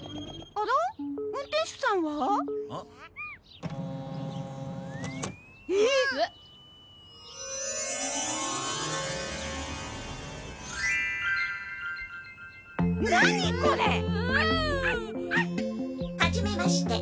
おお！はじめまして。